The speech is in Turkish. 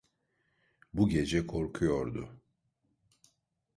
Bu gece korkuyordu.